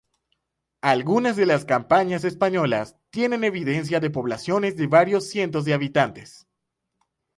Algunas de las campañas españolas tienen evidencia de poblaciones de varios cientos de habitantes.